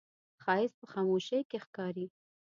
ښایست په خاموشۍ کې ښکاري